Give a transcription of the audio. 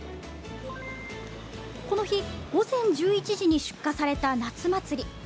この日、午前１１時に出荷された夏祭り。